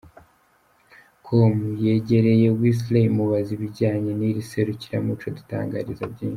com yegereye Wesley imubaza ibijyanye n’iri serukiramuco, adutangariza byinshi.